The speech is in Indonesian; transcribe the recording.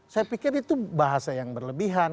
saya pikir itu bahasa yang berlebihan